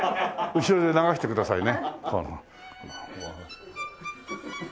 後ろで流してくださいね。